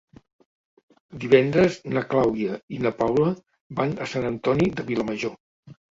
Divendres na Clàudia i na Paula van a Sant Antoni de Vilamajor.